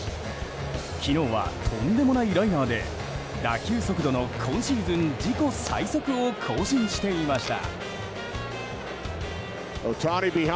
昨日はとんでもないライナーで打球速度の今シーズン自己最速を更新していました。